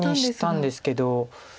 したんですけど。